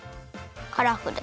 カラフル。